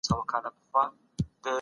د ټولنې خدمت لوی عبادت دی.